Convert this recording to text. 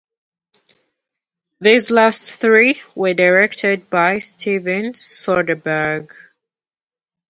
These last three were directed by Steven Soderbergh.